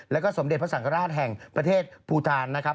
แล้วก็สมเด็จพระสังฆราชแห่งประเทศภูทานนะครับ